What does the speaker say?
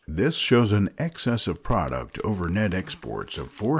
This shows an excess of product over net exports of $433,000,000.